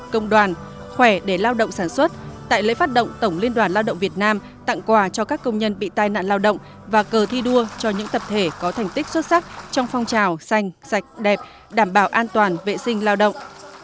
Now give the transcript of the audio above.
công đoàn khỏe để lao động sản xuất tại lễ phát động tổng liên đoàn lao động việt nam tặng quà cho các công nhân bị tai nạn lao động và cờ thi đua cho những tập thể có thành tích xuất sắc trong phong trào xanh sạch đẹp đảm bảo an toàn vệ sinh lao động